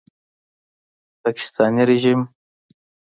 پاکستاني ریژیم